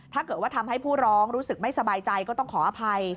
ถ้าเกิดว่าทำให้ผู้ร้องรู้สึกไม่สบายใจก็ต้องขออภัย